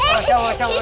ma ceri seneng banget